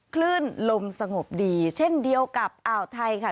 คลื่นลมสงบดีเช่นเดียวกับอ่าวไทยค่ะ